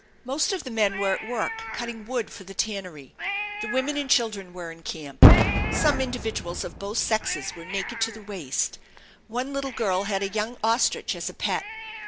Most of the men were at work cutting wood for the tannery. The women and children were in camp. Some individuals of both sexes were naked to the waist. One little girl had a young ostrich as a pet.